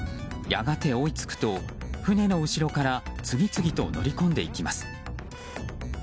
やがて追いつくと、船の後ろから次々と乗り込んでいきます。